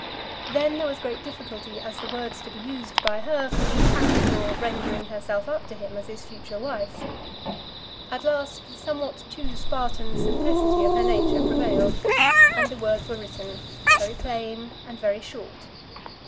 Then there was great difficulty as to the words to be used by her for the actual rendering herself up to him as his future wife. At last the somewhat too Spartan simplicity of her nature prevailed, and the words were written, very plain and very short.